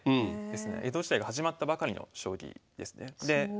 江戸時代が始まったばかりの将棋ですね。